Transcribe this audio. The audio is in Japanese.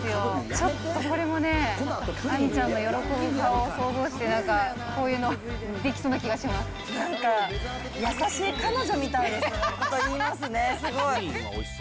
ちょっとこれもね、亜美ちゃんの喜ぶ顔を想像して、なんか、こういうの、できそうななんか、優しい彼女みたいなこと言いますね、すごい。